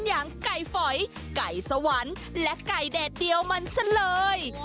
อย่างไก่ฝอยไก่สวรรค์และไก่แดดเดียวมันซะเลย